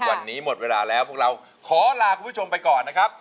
วันนี้หมดเวลาแล้วพวกเราขอลาคุณผู้ชมไปก่อนนะครับ